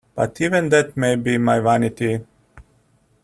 But even that may be my vanity.